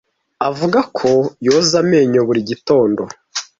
Avuga ko yoza amenyo buri gitondo.